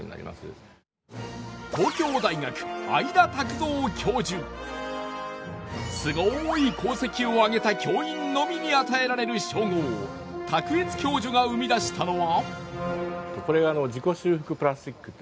それがすごい功績を上げた教員のみに与えられる称号卓越教授が生み出したのは。